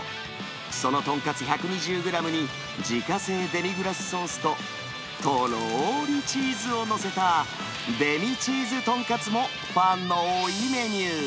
そのとんかつ１２０グラムに、自家製デミグラスソースととろーりチーズを載せた、デミチーズとんかつもファンの多いメニュー。